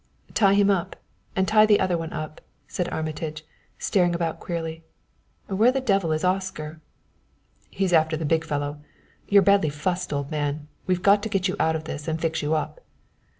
"Tie him up and tie the other one up," said Armitage, staring about queerly. "Where the devil is Oscar?" "He's after the big fellow. You're badly fussed, old man. We've got to get out of this and fix you up."